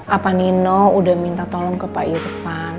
apa nino udah minta tolong ke pak irfan